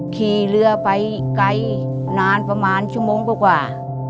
ขี่เรือไปไกลนานประมาณชั่วโมงกว่า